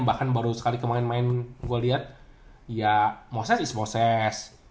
bahkan baru sekali ke main main gua liat ya moses is moses